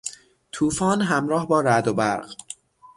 توفان همراه با رعد و برق